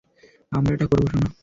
আমরা এটা করবো, সোনা।